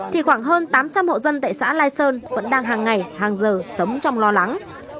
thì khoảng hơn tám trăm linh hộ dân tại xã lai sơn vẫn đang hàng ngày hàng giờ sống trong lo lắng